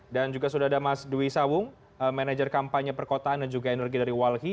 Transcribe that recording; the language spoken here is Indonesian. dan juga sudah ada mas dewi sawung manager kampanye perkotaan dan juga energi dari walhi